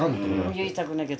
言いたくないけど。